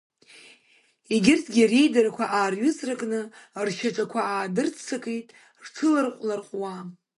Егьырҭгьы реидарақәа аарҩыҵракны ршьаҿақәа аа-дырццакит, рҽыларҟә-ларҟәуа.